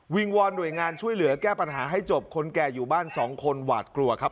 วอนหน่วยงานช่วยเหลือแก้ปัญหาให้จบคนแก่อยู่บ้านสองคนหวาดกลัวครับ